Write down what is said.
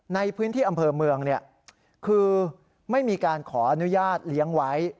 ในพื้นที่อำเภอเมืองคือไม่มีการขออนุญาตเลี้ยงไว้